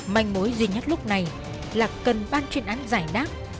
mành mối duy nhất lúc này là cần ban truyền án giải đáp